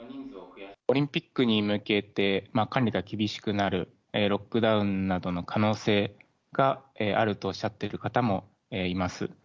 オリンピックに向けて、管理が厳しくなる、ロックダウンなどの可能性があるとおっしゃっている方もいます。